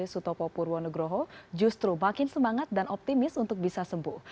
sutopo purwonegroho justru makin semangat dan optimis untuk bisa sembuh